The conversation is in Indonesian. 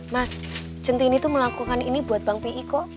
mas centini tuh melakukan ini buat bang pi kok